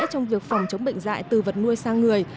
trong việc phòng chống bệnh dạy từ vật nuôi sang người